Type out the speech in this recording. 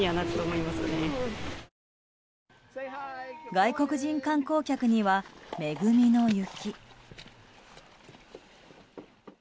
外国人観光客には恵みの雪。